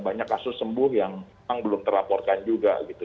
banyak kasus sembuh yang memang belum terlaporkan juga gitu